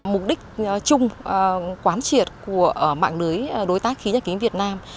mục đích chung quán triệt của mạng lưới đối tác khí nhà kính việt nam